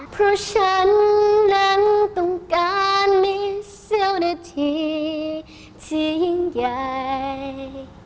เพราะฉันนั้นต้องการมีเสี่ยวนาทีที่ยิ่งใหญ่